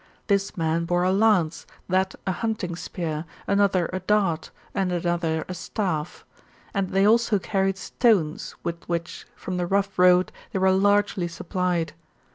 This man bore a lance, that a hunting spear, another a dart, and another a staff. And they also carried stones, with which, from the rough road, they were largely supplied.